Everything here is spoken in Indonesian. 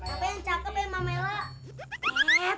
apa yang cakep ya mama ella